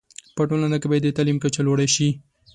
په ټولنه کي باید د تعلیم کچه لوړه شی